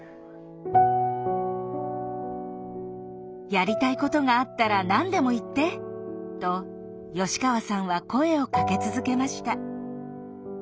「やりたいことがあったら何でも言って」と吉川さんは声をかけ続けました。